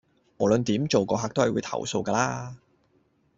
無論點做個客都係會投訴㗎啦